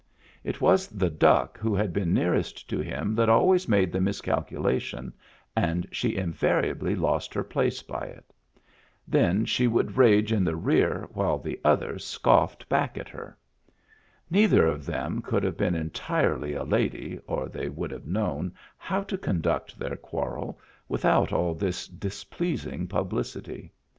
It was the duck who had been nearest to him that always made the miscalculation, and she invariably lost her place by it. Then she would rage in the rear while the other scofiFed back at her. Neither of them could have been entirely a lady or they would have known how to conduct their quarrel without all this displeasing publicity.